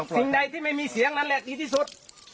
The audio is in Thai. สิ่งใดที่ไม่มีเสียงนั่นแหละดีที่สุด